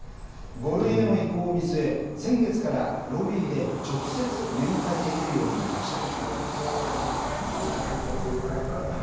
５類への移行を見据え、先月から、ロビーで直接、面会できるようになりました。